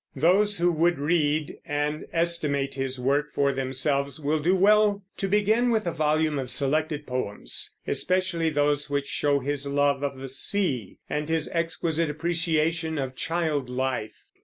Those who would read and estimate his work for themselves will do well to begin with a volume of selected poems, especially those which show his love of the sea and his exquisite appreciation of child life.